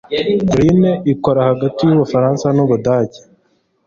Rhine ikora hagati y'Ubufaransa n'Ubudage